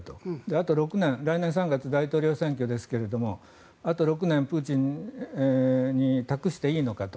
あと６年来年３月、大統領選挙ですがあと６年プーチンに託していいのかと。